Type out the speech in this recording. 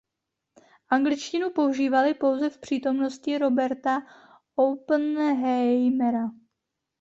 Angličtinu používali pouze v přítomnosti Roberta Oppenheimera.